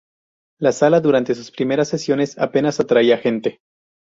La sala, durante sus primeras sesiones apenas atraía gente.